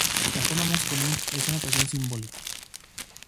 La forma más común es la notación simbólica.